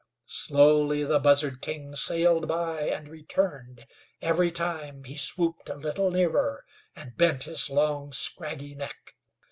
Slowly the buzzard king sailed by and returned. Every time he swooped a little nearer, and bent his long, scraggy neck.